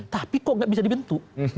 tapi kok nggak bisa dibentuk